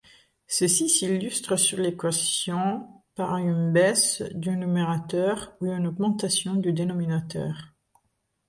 Ceci s'illustre sur l'équation par une baisse du numérateur ou une augmentation du dénominateur.